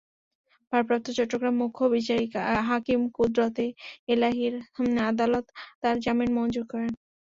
ভারপ্রাপ্ত চট্টগ্রাম মুখ্য বিচারিক হাকিম কুদরত-এ-ইলাহীর আদালত তাঁর জামিন মঞ্জুর করেন।